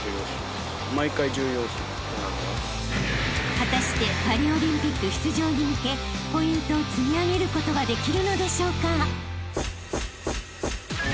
［果たしてパリオリンピック出場に向けポイントを積み上げることはできるのでしょうか］